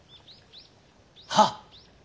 はっ！